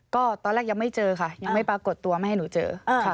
ก็ตอนแรกยังไม่เจอค่ะยังไม่ปรากฏตัวไม่ให้หนูเจอค่ะ